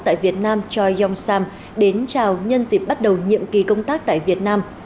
tại việt nam choi yong sam đến chào nhân dịp bắt đầu nhiệm kỳ công tác tại việt nam